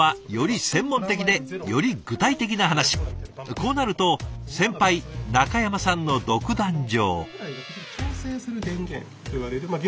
こうなると先輩中山さんの独壇場。